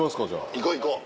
行こう行こう。